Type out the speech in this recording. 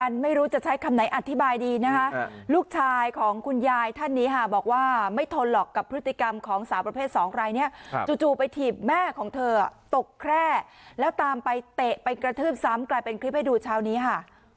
ไม่รู้จะใช้คำไหนอธิบายดีนะคะลูกชายของคุณยายท่านนี้ค่ะบอกว่าไม่ทนหรอกกับพฤติกรรมของสาวประเภทสองรายนี้จู่ไปถีบแม่ของเธอตกแคร่แล้วตามไปเตะไปกระทืบซ้ำกลายเป็นคลิปให้ดูเช้านี้ค่ะ